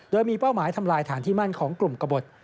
โดยมีเป้าหมายทำลายฐานที่มั่นของกลุ่มกระบด